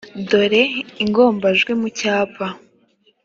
dore ingombajwi m mu cyapa,